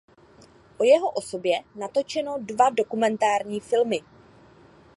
O jeho osobě natočeno dva dokumentární filmy.